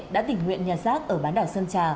đã tỉnh nguyện nhà xác ở bán đảo sơn trà